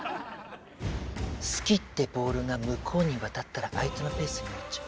「好き」ってボールが向こうに渡ったら相手のペースになっちゃう。